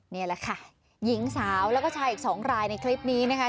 นี่แหละค่ะหญิงสาวแล้วก็ชายอีกสองรายในคลิปนี้นะคะ